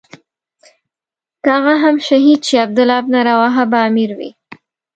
که هغه هم شهید شي عبدالله بن رواحه به امیر وي.